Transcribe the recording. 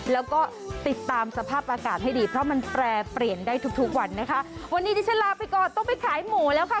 แล้วก็ติดตามสภาพอากาศให้ดีเพราะมันแปรเปลี่ยนได้ทุกทุกวันนะคะวันนี้ดิฉันลาไปก่อนต้องไปขายหมูแล้วค่ะ